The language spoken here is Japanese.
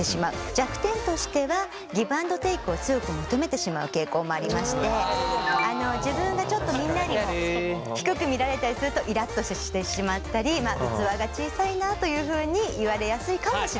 弱点としてはギブアンドテークを強く求めてしまう傾向もありまして自分がちょっとみんなに低く見られたりするとイラっとしてしまったり器が小さいなというふうに言われやすいかもしれません。